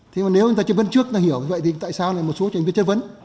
thế mà nếu chúng ta chất vấn trước chúng ta hiểu tại sao một số thành viên chất vấn